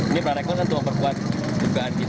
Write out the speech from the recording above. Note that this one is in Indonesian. ini para rekan kan semua perkuat jugaan kita